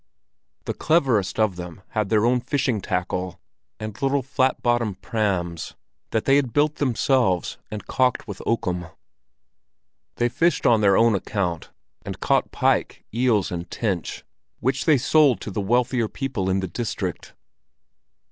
The cleverest of them had their own fishing tackle and little flat bottomed prams, that they had built themselves and caulked with oakum. They fished on their own account and caught pike, eels, and tench, which they sold to the wealthier people in the district.